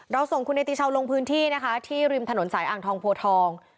ส่งคุณเนติชาวลงพื้นที่นะคะที่ริมถนนสายอ่างทองโพทอง